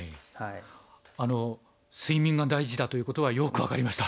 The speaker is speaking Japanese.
あの睡眠が大事だということはよく分かりました。